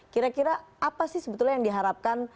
kira kira apa sih sebetulnya yang diharapkan